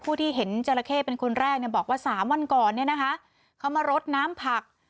ผู้ที่เห็นเจ้าราเคเป็นคนแรกบอกว่า๓วันก่อนเขามารดน้ำผัก